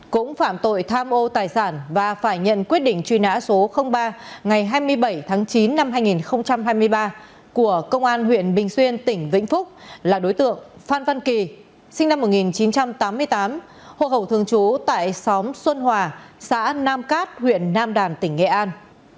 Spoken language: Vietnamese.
cũng phạm tội tham ô tài sản và phải nhận quyết định truy nã số ba ngày hai mươi bảy tháng chín năm hai nghìn hai mươi ba của công an huyện bình xuyên tỉnh vĩnh phúc là đối tượng phan văn kỳ sinh năm một nghìn chín trăm tám mươi tám hồ hậu thường trú tại xóm xuân hòa xã nam cát huyện nam đàn tỉnh nghệ an